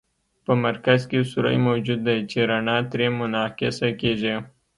په مرکز کې سوری موجود دی چې رڼا ترې منعکسه کیږي.